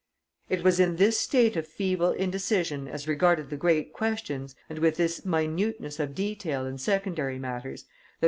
It was in this state of feeble indecision as regarded the great questions, and with this minuteness of detail in secondary matters, that M.